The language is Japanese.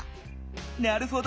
なるほど。